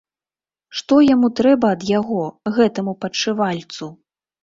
Што яму трэба ад яго, гэтаму падшывальцу?